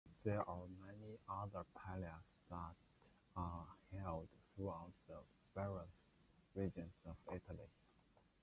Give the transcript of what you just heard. There are many other palios that are held throughout the various regions of Italy.